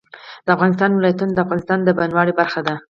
د افغانستان ولايتونه د افغانستان د بڼوالۍ برخه ده.